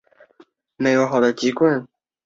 沟岸希蛛为球蛛科希蛛属的动物。